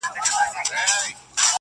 پرون دي بيا راته غمونه راكړل,